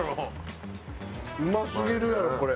うますぎるやろこれ。